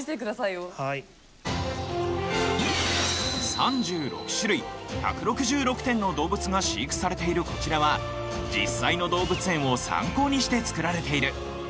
３６種類１６６点の動物が飼育されているこちらは実際の動物園を参考にして作られている！